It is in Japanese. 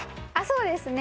そうですね